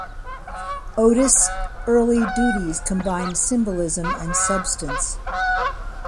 Otis' early duties combined symbolism and substance.